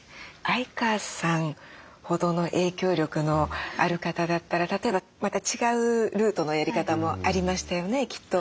相川さんほどの影響力のある方だったら例えばまた違うルートのやり方もありましたよねきっと。